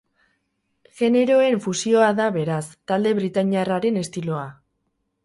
Generoen fusioa da, beraz, talde britainiarraren estiloa.